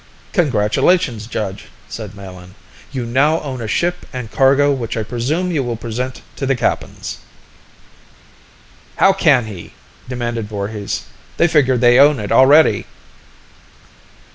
"Congratulations, Judge!" said Melin. "You now own a ship and cargo which I presume you will present to the Kappans." "How can he?" demanded Voorhis. "They figure they own it already."